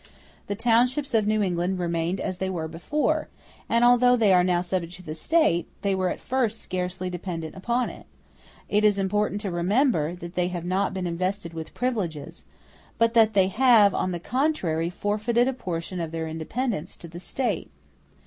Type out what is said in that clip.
The townships of New England remained as they were before; and although they are now subject to the State, they were at first scarcely dependent upon it. It is important to remember that they have not been invested with privileges, but that they have, on the contrary, forfeited a portion of their independence to the State.